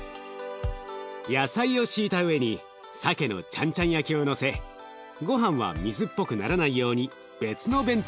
野菜を敷いた上にさけのちゃんちゃん焼きをのせごはんは水っぽくならないように別の弁当箱に。